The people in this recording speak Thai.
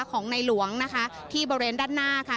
ของในหลวงนะคะที่บริเวณด้านหน้าค่ะ